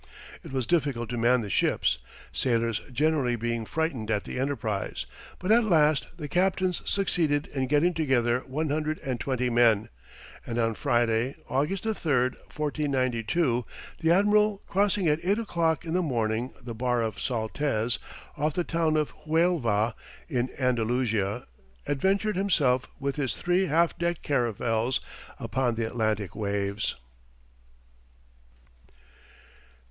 It was difficult to man the ships, sailors generally being frightened at the enterprise, but at last the captains succeeded in getting together one hundred and twenty men, and on Friday, August 3rd, 1492, the admiral crossing at eight o'clock in the morning the bar of Saltez, off the town of Huelva, in Andalusia, adventured himself with his three half decked caravels upon the Atlantic waves.